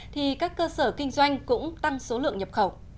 thì các cơ sở kinh doanh cũng tăng số lượng nhập khẩu